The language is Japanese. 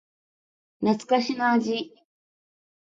懐かしの味